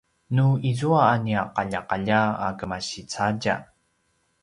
nu izua a nia qaljaqalja a kemasi cadja